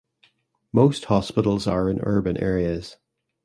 Most hospitals are in urban areas.